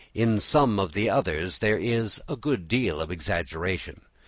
In some of the others there is a good deal of exaggeration.